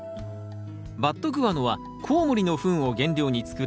バットグアノはコウモリのフンを原料に作られた肥料。